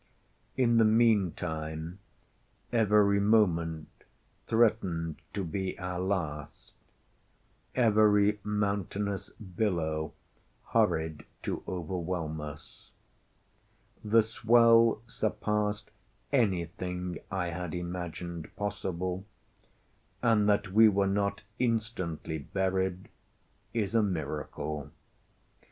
In the meantime every moment threatened to be our last—every mountainous billow hurried to overwhelm us. The swell surpassed anything I had imagined possible, and that we were not instantly buried is a miracle.